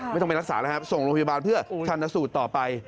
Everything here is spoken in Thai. ไม่ต้องไปรักษาแล้วครับส่งโรงพยาบาลเพื่อชันสูตรต่อไป